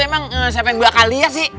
emang siapa yang bakal lihat sih